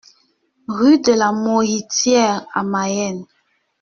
Rue de la Mauhitière à Mayenne